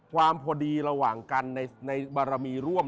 พอดีระหว่างกันในบารมีร่วม